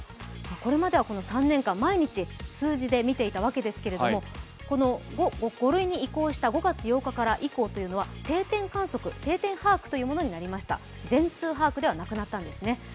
これまでは３年間、毎日数字で見ていたわけですけれども、この５類に移行した５月８日以降というのは定点観測、定点把握というものになりました、全数把握ではなくなったんですね。